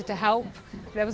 ada masalah di sini